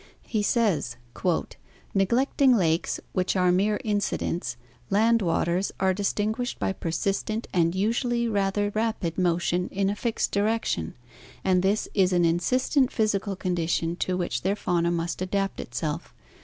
He says: "Neg lecting lakes, which are mere incidents, land waters are distin guished by persistent and usually rather rapid motion in a fixed direction, and this is an insistent physical condition to which their fauna must adapt itself.